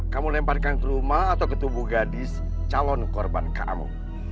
kamu lemparkan ke rumah atau ke tubuh gadis calon korban kamu